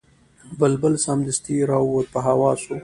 بلبل سمدستي را ووت په هوا سو